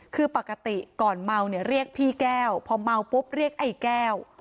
คือปกติก่อนเมาเนี่ยเรียกพี่แก้วพอเมาปุ๊บเรียกไอ้แก้ว